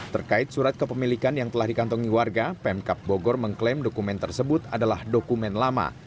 terkait surat kepemilikan yang telah dikantongi warga pemkap bogor mengklaim dokumen tersebut adalah dokumen lama